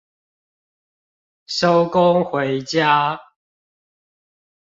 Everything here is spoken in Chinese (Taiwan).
收工回家